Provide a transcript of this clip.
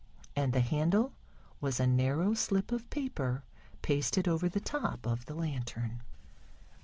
And the handle was a narrow slip of paper pasted over the top of the lantern.